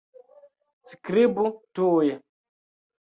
Skribu tuj.